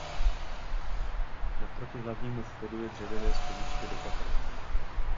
Naproti hlavnímu vchodu je dřevěné schodiště do patra.